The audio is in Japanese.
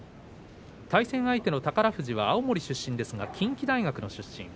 対戦相手の宝富士は青森出身ですが、近畿大学の出身。